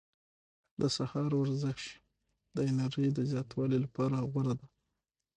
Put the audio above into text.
د سهار ورزش د انرژۍ د زیاتوالي لپاره غوره ده.